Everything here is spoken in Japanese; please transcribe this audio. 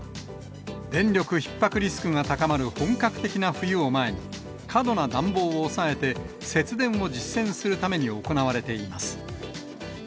電力ひっ迫リスクが高まる本格的な冬を前に、過度な暖房を抑えて節電を実践するために行われています。